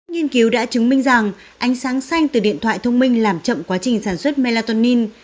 nghiên cứu đã chứng minh rằng ánh sáng xanh từ điện thoại thông minh làm chậm quá trình sản xuất melatonin